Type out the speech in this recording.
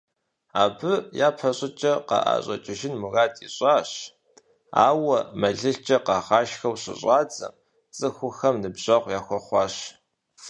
Абы япэщӀыкӀэ къаӀэщӀэкӀыжын мурад иӀащ, ауэ мэлылкӀэ къагъашхэу щыщӀадзэм, цӀыхухэм ныбжьэгъу яхуэхъуащ.